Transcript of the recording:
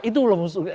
itu loh mas eko